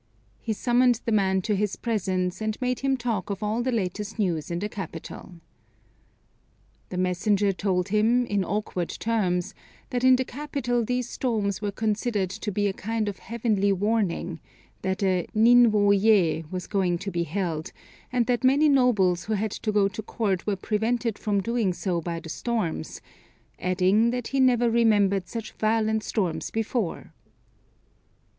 He summoned the man to his presence, and made him talk of all the latest news in the capital. The messenger told him, in awkward terms, that in the capital these storms were considered to be a kind of heavenly warning, that a Nin wô ye was going to be held; and that many nobles who had to go to Court were prevented from doing so by the storms, adding that he never remembered such violent storms before.